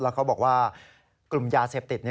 เขาบอกว่ากลุ่มยาเสพติด